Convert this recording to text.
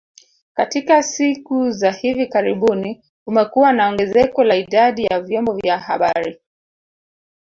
Katika siku za hivi karibuni kumekuwa na ongezeko la idadi ya vyombo vya habari